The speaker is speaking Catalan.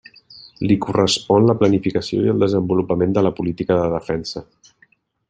Li correspon la planificació i el desenvolupament de la política de defensa.